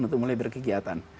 untuk mulai berkegiatan